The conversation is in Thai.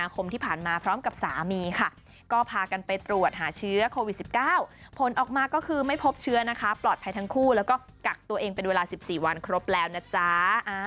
ที่ผ่านมาพร้อมกับสามีค่ะก็พากันไปตรวจหาเชื้อโควิด๑๙ผลออกมาก็คือไม่พบเชื้อนะคะปลอดภัยทั้งคู่แล้วก็กักตัวเองเป็นเวลา๑๔วันครบแล้วนะจ๊ะ